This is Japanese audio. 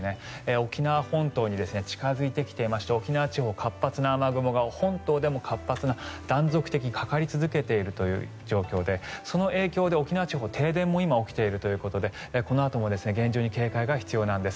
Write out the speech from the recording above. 沖縄本島に近付いてきていまして沖縄地方、活発な雨雲が本島でも断続的にかかり続けているという状況でその影響で沖縄地方、停電も今起きているということでこのあとも厳重に警戒が必要なんです。